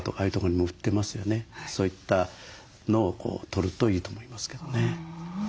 そういったのをとるといいと思いますけどね。